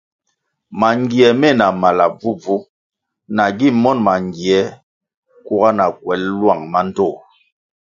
Mangie meh na mala bvubvu nagi monʼ mangie kuga na kwel lwang mandtoh.